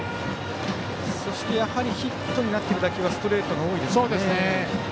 ヒットになっている球はストレートが多いですね。